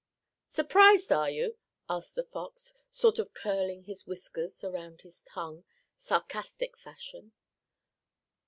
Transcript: "Surprised, are you?" asked the fox, sort of curling his whiskers around his tongue, sarcastic fashion.